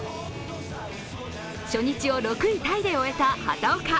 初日を６位タイで終えた畑岡。